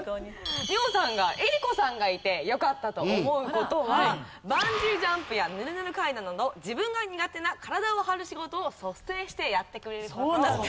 美穂さんが江里子さんがいてよかったと思う事はバンジージャンプやヌルヌル階段など自分が苦手な体を張る仕事を率先してやってくれる事。